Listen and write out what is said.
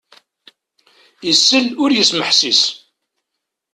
Isell ur yesmeḥsis!